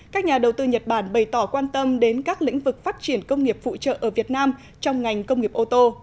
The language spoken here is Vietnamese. các nhà đầu tư nhật bản bày tỏ quan tâm đến các lĩnh vực phát triển công nghiệp phụ trợ ở việt nam trong ngành công nghiệp ô tô